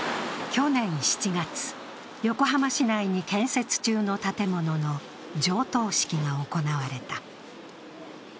去年７月、横浜市内に建設中の建物の上棟式が行われた。